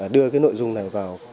đưa cái nội dung này vào